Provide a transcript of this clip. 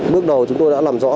bước đầu chúng tôi đã làm rõ